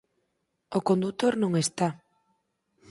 O condutor non está.